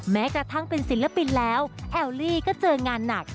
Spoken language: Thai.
แม้กระทั่งเป็นศิลปินแล้วแอลลี่ก็เจองานหนัก